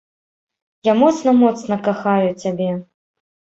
Я моцна-моцна кахаю цябе!!!